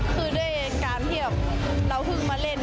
คือด้วยการที่เราเพิ่งมาเล่น